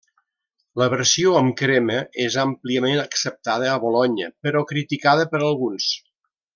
La versió amb crema és àmpliament acceptada a Bolonya, però criticada per alguns.